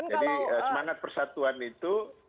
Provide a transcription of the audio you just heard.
jadi semangat persatuan itu